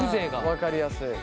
分かりやすい。